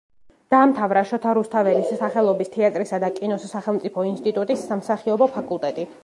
დაამთავრა შოთა რუსთაველის სახელობის თეატრისა და კინოს სახელმწიფო ინსტიტუტის სამსახიობო ფაკულტეტი.